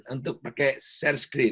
untuk pakai share screen